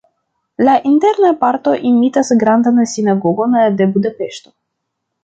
La interna parto imitas Grandan Sinagogon de Budapeŝto.